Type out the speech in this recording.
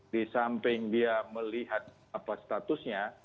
di samping dia melihat apa statusnya